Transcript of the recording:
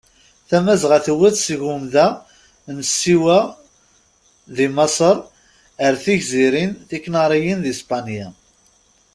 Tamazɣa tewwet seg umda n Siwa d Maseṛ ar d tigzirin tikaniriyin di Spanya.